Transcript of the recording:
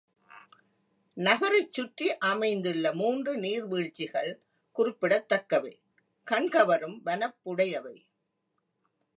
நகரைச் சுற்றி அமைந்துள்ள மூன்று நீர் வீழ்ச்சிகள் குறிப்பிடத்தக்கவை கண்கவரும் வனப்புடையவை.